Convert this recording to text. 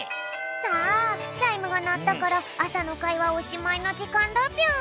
さあチャイムがなったからあさのかいはおしまいのじかんだぴょん。